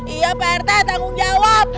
iya pak rt tanggung jawab